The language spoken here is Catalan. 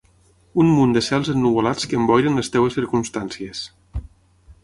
Un munt de cels ennuvolats que emboiren les teves circumstàncies.